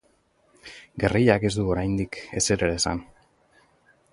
Gerrillak ez du oraindik ezer ere esan.